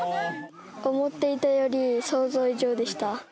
思っていたより想像以上でした。